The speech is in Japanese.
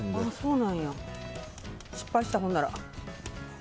失敗した、ほんなら。